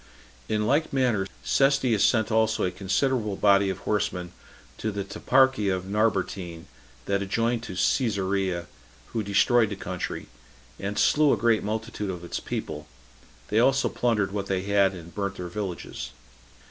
In like manner, Cestius sent also a considerable body of horsemen to the toparchy of Narbatene, that adjoined to Cesarea, who destroyed the country, and slew a great multitude of its people; they also plundered what they had, and burnt their villages.